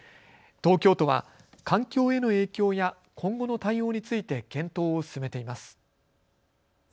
東京都は環境への影響や今後の対応について検討を進めています。